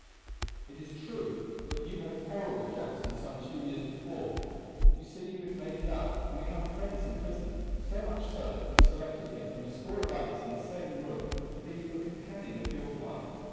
It is true that you had had a quarrel with Jackson some two years before, but you see you had made it up and had become friends in prison so much so that you selected him from among a score of others in the same room to be the companion of your flight.